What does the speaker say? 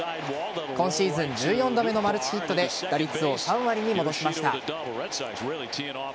今シーズン１４度目のマルチヒットで打率を３割に戻しました。